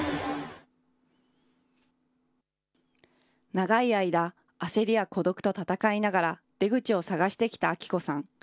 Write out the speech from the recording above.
長い間、焦りや孤独と戦いながら出口を探してきた明子さん。